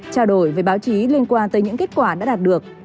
trao đổi với báo chí liên quan tới những kết quả đã đạt được